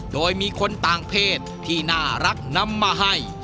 โดยมีคนต่างเพศที่น่ารักนำมาให้